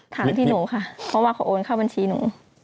ถามที่หนูค่ะเพราะว่าเขาโอนเข้าบัญชีหนู